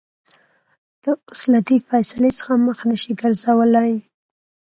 ته اوس له دې فېصلې څخه مخ نشې ګرځولى.